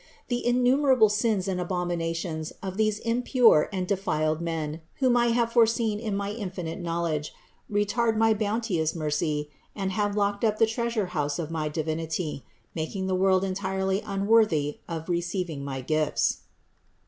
The innumerable sins and abominations of these impure and defiled men, whom I have foreseen in my infinite knowledge, retard my bounteous mercy and have locked up the treasurehouse of my Divinity, making the world entirely unworthy of receiving my gifts/' 49.